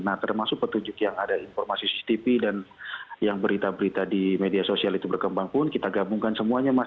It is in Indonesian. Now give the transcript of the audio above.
nah termasuk petunjuk yang ada informasi cctv dan yang berita berita di media sosial itu berkembang pun kita gabungkan semuanya mas